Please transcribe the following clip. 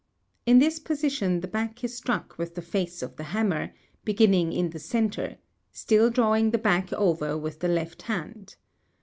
In this position the back is struck with the face of the hammer, beginning in the centre, still drawing the back over with the left hand.